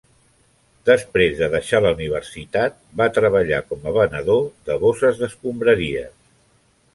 Després de deixar la Universitat va treballar com a venedor de bosses d'escombraries.